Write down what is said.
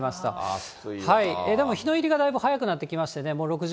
でも日の入りがだいぶ早くなってきましたね。